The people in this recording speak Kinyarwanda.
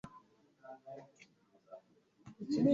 kagabo ntabwo yari yiteze ibi